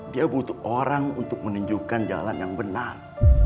dia butuh orang untuk menunjukkan jalan yang benar